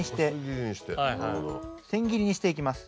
千切りにしていきます。